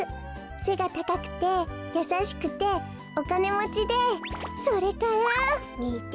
せがたかくてやさしくておかねもちでそれから。みて。